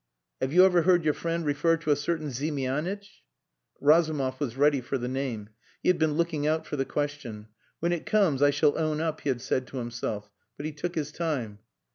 Have you ever heard your friend refer to a certain Ziemianitch?" Razumov was ready for the name. He had been looking out for the question. "When it comes I shall own up," he had said to himself. But he took his time.